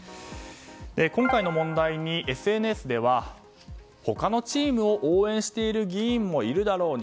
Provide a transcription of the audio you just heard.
今回の問題にＳＮＳでは他のチームを応援している議員もいるだろうに。